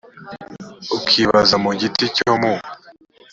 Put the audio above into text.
ukibaze mu giti cyo mu